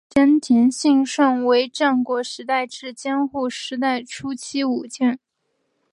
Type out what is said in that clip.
真田信胜为战国时代至江户时代初期武将。